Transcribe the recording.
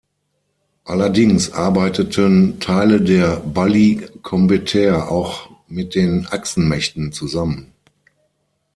Allerdings arbeiteten Teile der Balli Kombëtar auch mit den Achsenmächten zusammen.